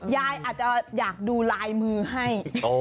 เย้อย่าจะอยากดูลายมือให้